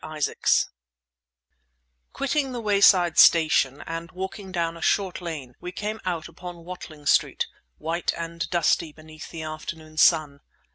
ISAACS Quitting the wayside station, and walking down a short lane, we came out upon Watling Street, white and dusty beneath the afternoon sun.